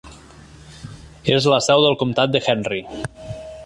És la seu del comtat de Henry.